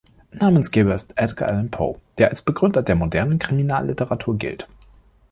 Namensgeber ist Edgar Allan Poe, der als Begründer der modernen Kriminalliteratur gilt.